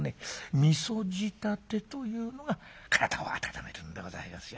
みそ仕立てというのが体を温めるんでございますよ。